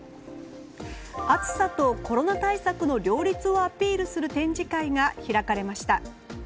暑さとコロナ対策の両立をアピールする展示会が開かれました。